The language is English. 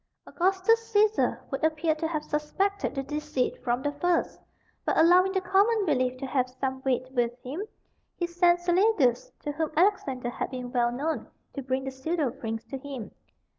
Augustus Cæsar would appear to have suspected the deceit from the first, but allowing the common belief to have some weight with him, he sent Celadus, to whom Alexander had been well known, to bring the pseudo prince to him.